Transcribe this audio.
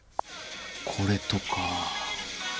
これとか。